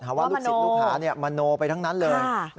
ว่าลูกศิษย์ลูกหามโนไปทั้งนั้นเลย